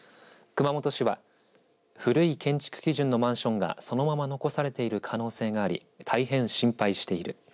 熊本市は古い建築基準のマンションがそのまま残されている可能性があり大変心配している。